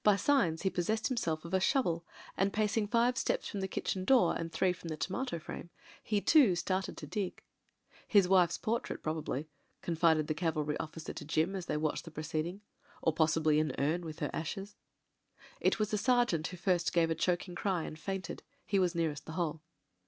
By signs he possessed himself of a shovel, and, pacing five steps from the kitchen door and three from the tomato frame, he too started to dig. "His wife's portrait, probably," confided the cavalry officer to Jim, as they watched the proceeding. "Or possibly an urn with her ashes." It was a sergeant who first gave a choking cry and fainted ; he was nearest the hole.